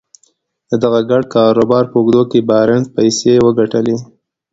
د دغه ګډ کاروبار په اوږدو کې بارنس پيسې وګټلې.